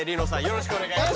よろしくお願いします。